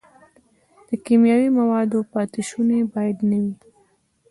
د کیمیاوي موادو پاتې شوني باید نه وي.